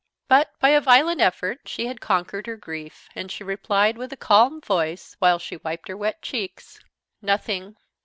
But, by a violent effort, she had conquered her grief, and she replied, with a calm voice, while she wiped her wet cheeks: "Nothing.